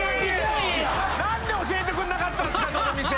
なんで教えてくんなかったんすかその店。